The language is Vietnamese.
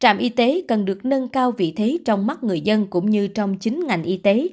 trạm y tế cần được nâng cao vị thế trong mắt người dân cũng như trong chính ngành y tế